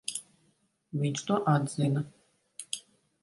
Viņš to atzina.